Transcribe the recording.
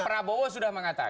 pak prabowo sudah mengatakan